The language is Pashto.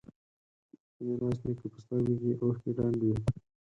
د ميرويس نيکه په سترګو کې اوښکې ډنډ وې.